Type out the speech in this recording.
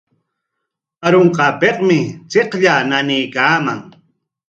Arunqaapikmi chiqllaa nanaykaaman.